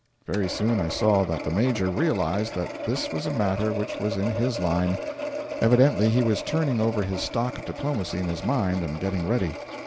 Very soon I saw that the Major realised that this was a matter which was in his line; evidently he was turning over his stock of diplomacy in his mind and getting ready.